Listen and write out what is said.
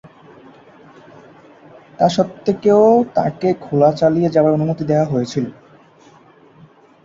তাস্বত্ত্বেও তাকে খেলা চালিয়ে যাবার অনুমতি দেয়া হয়েছিল।